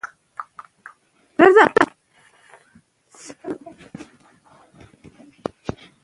ازادي راډیو د حیوان ساتنه په اړه د مسؤلینو نظرونه اخیستي.